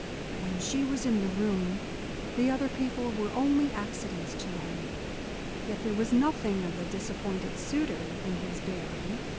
When she was in the room the other people were only accidents to him. Yet there was nothing of the disappointed suitor in his bearing.